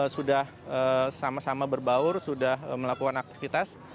sudah sama sama berbaur sudah melakukan aktivitas